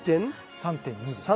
３．２。